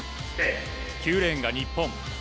９レーンが日本。